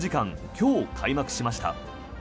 今日、開幕しました。